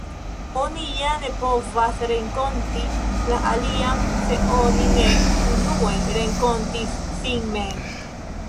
Oni ja ne povas renkonti la alian, se oni ne unue renkontis sin mem.